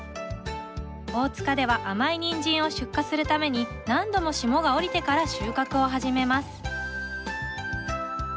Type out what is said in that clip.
大塚では甘いニンジンを出荷するために何度も霜が降りてから収穫を始めます